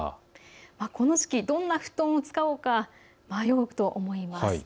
この時期、どんな布団を使おうか迷うかと思います。